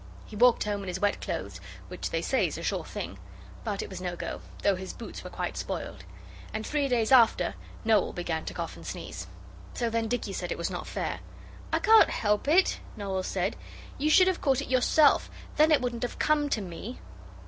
He walked home in his wet clothes, which they say is a sure thing, but it was no go, though his boots were quite spoiled. And three days after Noel began to cough and sneeze. So then Dicky said it was not fair. 'I can't help it,' Noel said. 'You should have caught it yourself, then it wouldn't have come to me.